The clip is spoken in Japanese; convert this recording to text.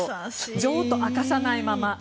女王と明かさないまま。